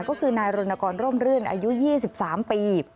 ก็คือนายรณกรร่มรื่นอายุ๒๓ปี